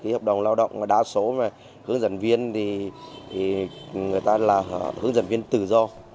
hợp đồng lao động đa số hướng dẫn viên thì người ta là hướng dẫn viên tự do